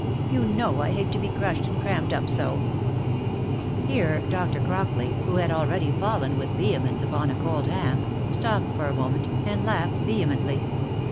— You know I hate to be crushed and crammed up so*" Here Dr. Crockley, who had already fallen with vehemence upon a cold ham, stopped for a moment, and laughed vehemently.